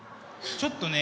ちょっとね